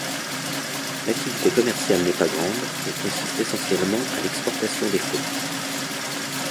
L'activité commerciale n'est pas grande et consiste essentiellement à l'exportation des fruits.